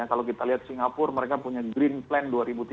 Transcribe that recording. kalau kita lihat singapura mereka punya green plan dua ribu tiga puluh